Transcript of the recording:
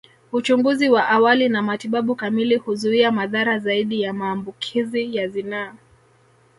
Uchunguzi wa awali na matibabu kamili huzuia madhara zaidi ya maambukizi ya zinaa